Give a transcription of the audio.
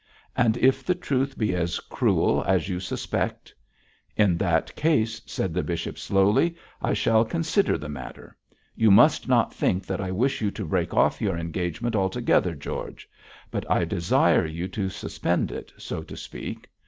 'And if the truth be as cruel as you suspect?' 'In that case,' said the bishop, slowly, 'I shall consider the matter; you must not think that I wish you to break off your engagement altogether, George, but I desire you to suspend it, so to speak.